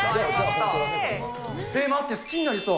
待って、好きになりそう。